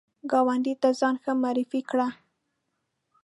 ګاونډي ته ځان ښه معرفي کړه